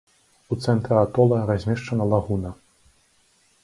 У цэнтры атола размешчана лагуна.